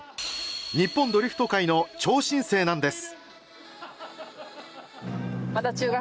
日本ドリフト界の超新星なんです！